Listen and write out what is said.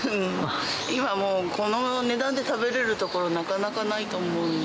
今もう、この値段で食べれる所、なかなかないと思うんで。